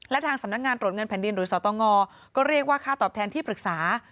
และทางสำนักงานตรวจเงินแผ่นดินหรือสตงก็เรียกว่าค่าตอบแทนที่ปรึกษา